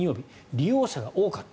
利用者が多かった。